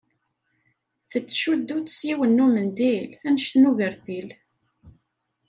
Tettcuddu-t s yiwen n umendil annect n ugertil.